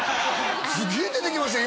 すげえ出てきましたよ